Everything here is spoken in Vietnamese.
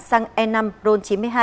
xăng e năm ron chín mươi hai